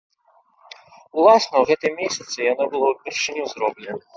Уласна ў гэтым месяцы яно было ўпершыню зроблена.